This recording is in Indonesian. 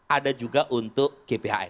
ada juga untuk gbhn